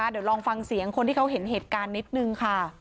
เดี๋ยวลองฟังเสียงคนที่เขาเห็นเหตุการณ์นิดนึงค่ะ